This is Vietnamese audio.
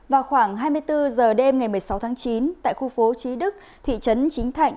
vào khoảng hai mươi bốn h đêm ngày một mươi sáu tháng chín tại khu phố trí đức thị trấn chính thạnh